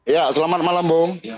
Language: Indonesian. ya selamat malam bung